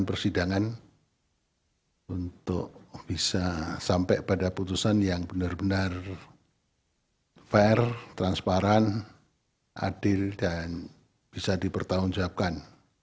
dan persidangan untuk bisa sampai pada putusan yang benar benar fair transparan adil dan bisa dipertahun tuapkan